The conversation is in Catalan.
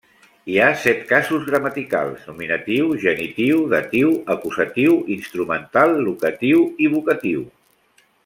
Hi ha set casos gramaticals: nominatiu, genitiu, datiu, acusatiu, instrumental, locatiu i vocatiu.